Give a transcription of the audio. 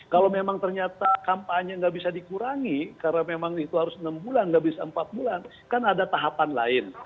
kalau memang ternyata kampanye nggak bisa dikurangi karena memang itu harus enam bulan nggak bisa empat bulan kan ada tahapan lain